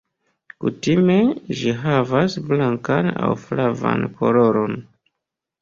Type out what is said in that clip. Kutime ĝi havas blankan aŭ flavan koloron.